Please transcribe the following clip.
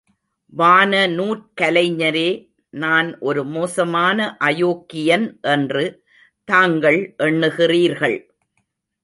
வானநூற்கலைஞரே நான் ஒரு மோசமான அயோக்கியன் என்று தாங்கள் எண்ணுகிறீர்கள்.